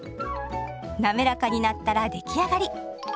なめらかになったら出来上がり。